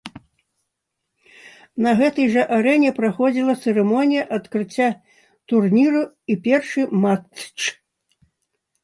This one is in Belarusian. На гэтай жа арэне праходзіла цырымонія адкрыцця турніру і першы матч.